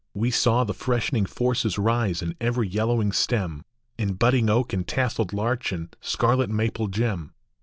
We saw the freshening forces rise in every yellowing stem, In budding oak and tasselled larch and scarlet maple gem.